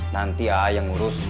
nanti a'a yang urus